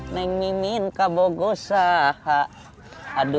masih saja omong besar